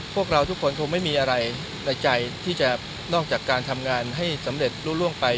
พวกเราทุกคนคงไม่มีอะไรในใจที่จะนอกจากการทำงานให้สำเร็จรู้ล่วงไป